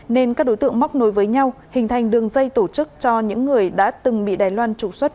nên các đối tượng móc nối với nhau hình thành đường dây tổ chức cho những người đã từng bị đài loan trục xuất